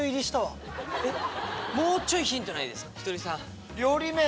もうちょいヒントないですか？